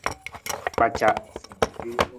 Kpaca.